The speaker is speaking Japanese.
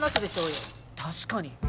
確かに。